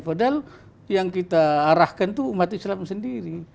padahal yang kita arahkan itu umat islam sendiri